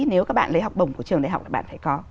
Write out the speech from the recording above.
nếu các bạn lấy học bổng của trường đại học là bạn phải có